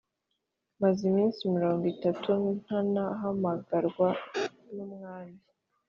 maze iminsi mirongo itatu ntanahamagarwa n’umwami.»